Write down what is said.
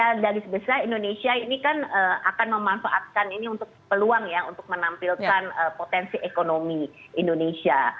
ya jadi secara dari sebesar indonesia ini kan akan memanfaatkan ini untuk peluang ya untuk menampilkan potensi ekonomi indonesia